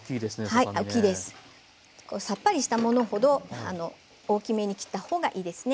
さっぱりしたものほど大きめに切ったほうがいいですね。